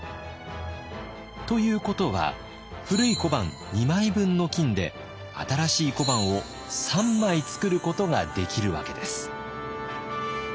ということは古い小判２枚分の金で新しい小判を３枚造ることができるわけです。